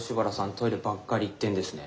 トイレばっかり行ってんですね。